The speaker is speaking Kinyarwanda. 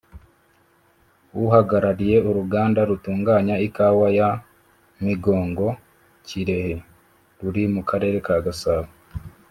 uhagarariye uruganda rutunganya ikawa ya ‘Migongo’(Kirehe) ruri mu karere ka Gasabo